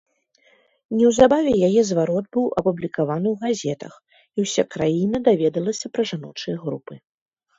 Неўзабаве яе зварот быў апублікаваны ў газетах, і ўся краіна даведалася пра жаночыя групы.